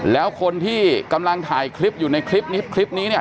แล้วคนที่กำลังถ่ายคลิปอยู่ในคลิปนี้คลิปนี้เนี่ย